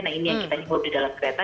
nah ini yang kita impor di dalam kereta